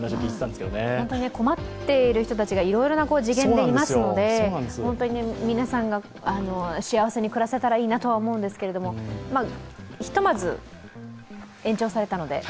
困っている人たちがいろいろな次元でいますので本当に皆さんが幸せに暮らせたらいいなとは思うんですがひとまず、延長されたので。